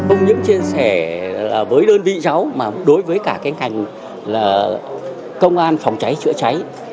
ông nhấn chia sẻ với đơn vị giáo đối với cả cái ngành công an phòng cháy chữa cháy